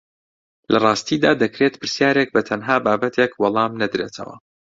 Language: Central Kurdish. لە ڕاستیدا دەکرێت پرسیارێک بە تەنها بابەتێک وەڵام نەدرێتەوە